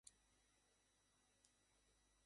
তুমি একটা ভুল ইউনিফর্ম বেছেছ।